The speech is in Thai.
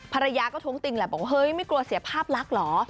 ภรรยาก็ท้วงติงแหละบอกเฮ้ยไม่กลัวเสียภาพลักษณ์เหรอ